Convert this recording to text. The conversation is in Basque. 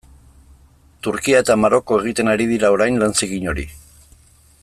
Turkia eta Maroko egiten ari dira orain lan zikin hori.